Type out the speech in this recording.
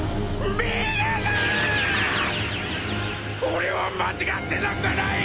俺は間違ってなんかない